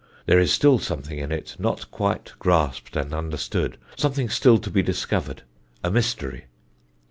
There is still something in it not quite grasped and understood something still to be discovered a mystery.